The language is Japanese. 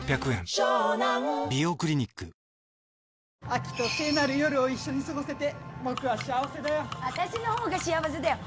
アキと聖なる夜を一緒に過ごせて僕は幸せだよ。あたしの方が幸せだよ。